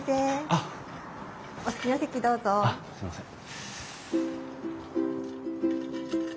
あっすいません。